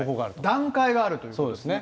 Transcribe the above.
段階があるということですね。